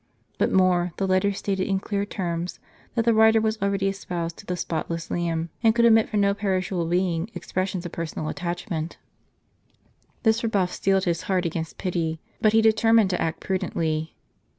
But more, the letter stated in clear terms, that the writer was already espoused to the spotless Lamb, and could admit from no perishable being expressions of personal attachment. This rebuff steeled his heart against pity ; but he determined to act prudently.